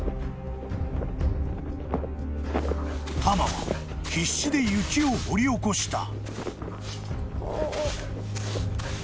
［タマは必死で雪を掘り起こした］